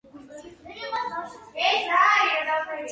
შედგება ნახევარკუნძულისა და რამდენიმე პატარა კუნძულისაგან.